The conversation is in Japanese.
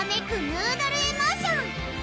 ヌードル・エモーション！